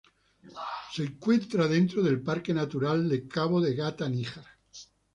Se encuentra dentro del Parque Natural de Cabo de Gata-Níjar.